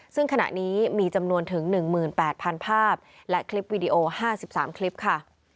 ซึ่งขณะนี้มีจำนวนถึง๑๘๐๐๐ภาพและคลิปวิดีโอ๕๓คลิปค่ะ